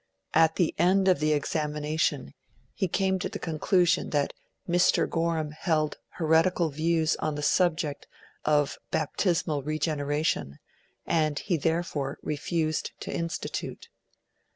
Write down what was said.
At the end of the examination he came to the conclusion that Mr. Gorham held heretical views on the subject of Baptismal Regeneration, and he therefore refused to institute.